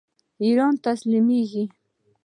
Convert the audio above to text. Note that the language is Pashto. ایران ته تسلیمیږي.